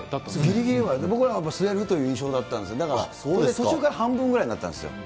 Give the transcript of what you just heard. ぎりぎりまでね、僕は吸えるという印象だったから、途中から半分ぐらいになったんですよ。